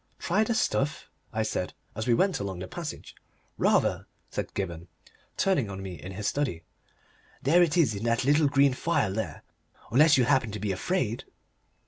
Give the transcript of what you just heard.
"Try the stuff?" I said, as we went along the passage. "Rather," said Gibberne, turning on me in his study. "There it is in that little green phial there! Unless you happen to be afraid?"